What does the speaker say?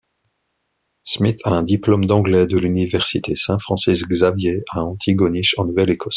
Smith a un diplôme d'anglais de l'Université Saint-Francis-Xavier à Antigonish, en Nouvelle-Écosse.